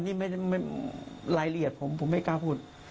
อ๋อนี่ไม่ได้รายละเอียดผมผมไม่กล้าพูด